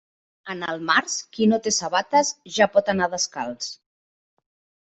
En el març, qui no té sabates ja pot anar descalç.